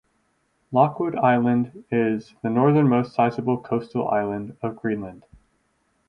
Lockwood Island is the northernmost sizeable coastal island of Greenland.